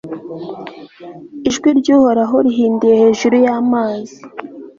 ijwi ry'uhoraho rihindiye hejuru y'amazi